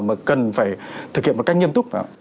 mà cần phải thực hiện một cách nghiêm túc